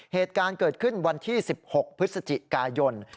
เหตุการณ์เกิดขึ้นวันที่๑๖พฤศจิกายน